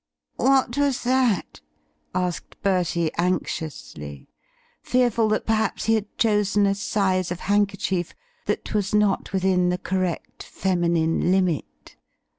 "What was that?" asked Bertie anxiously, fearful that perhaps he had chosen a size of handkerchief that was not within the correct feminine limit.